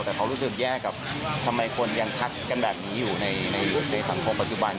แต่เขารู้สึกแย่กับทำไมคนยังทักกันแบบนี้อยู่ในสังคมปัจจุบัน